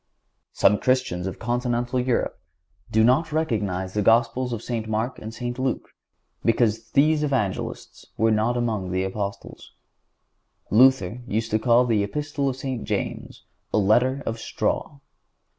Some Christians of continental Europe do not recognize the Gospels of St. Mark and St. Luke because these Evangelists were not among the Apostles. Luther used to call the Epistle of St. James a letter of straw.